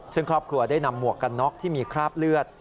ซึ่งครอบครัวได้นำหมวกกันน็อกที่มีคราบเลือด